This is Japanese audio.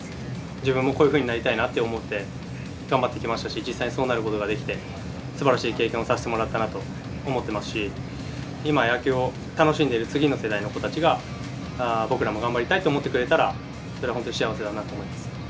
自分もこういうふうになりたいなと思って頑張ってきましたし、実際にそうなることができて、すばらしい経験をさせてもらったなと思ってますし、今、野球を楽しんでいる次の世代の子たちが、僕らも頑張りたいと思ってくれたら、それは本当に幸せだなと思い